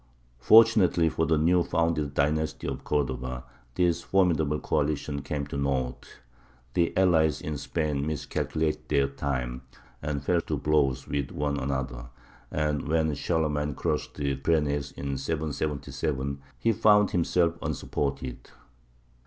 Fortunately for the newly founded dynasty of Cordova, this formidable coalition came to naught. The allies in Spain miscalculated their time, and fell to blows with one another; and when Charlemagne crossed the Pyrenees in 777, he found himself unsupported.